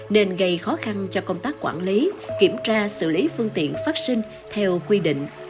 nên gây khó khăn cho công tác quản lý kiểm tra xử lý phương tiện phát sinh theo quy định